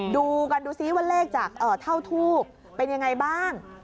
ดูกันดูซิว่าเลขจากเท่าทูบเป็นยังไงบ้าง